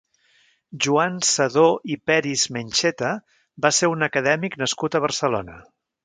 Joan Sedó i Peris-Mencheta va ser un acadèmic nascut a Barcelona.